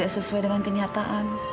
sesuai dengan kenyataan